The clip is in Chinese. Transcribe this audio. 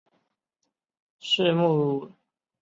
室町幕府末期幕臣。